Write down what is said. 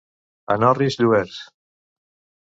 A Norís, lluerts.